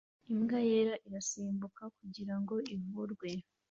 Imbwa yera irasimbuka kugirango ivurwe